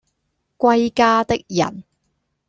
歸家的人